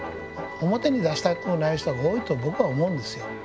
表に出したくもない人が多いと僕は思うんですよね。